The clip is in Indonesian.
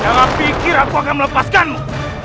dalam pikir aku akan melepaskanmu